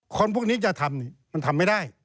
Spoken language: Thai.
คนพวกนี้จะทำมันทำไม่ได้